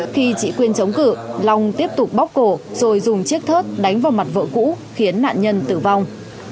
khi chị quyên chống cử long tiếp tục bóc cổ rồi dùng chiếc thớt đánh vào mặt vợ cũ khiến nạn nhân tử vong